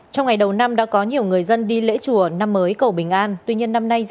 trong ngày đầu năm đã có nhiều người dân đi lễ chùa năm mới cầu bình an